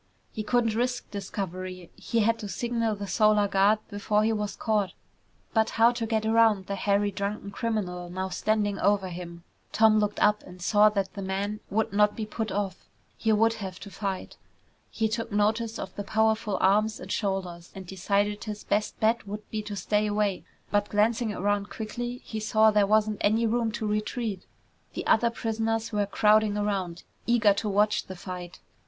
He couldn't risk discovery. He had to signal the Solar Guard before he was caught. But how to get around the hairy, drunken criminal now standing over him? Tom looked up and saw that the man would not be put off. He would have to fight. He took notice of the powerful arms and shoulders, and decided his best bet would be to stay away, but glancing around quickly he saw there wasn't any room to retreat. The other prisoners were crowding around, eager to watch the fight.